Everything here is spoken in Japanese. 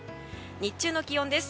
日中の気温です。